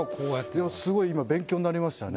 いやすごい今勉強になりましたね。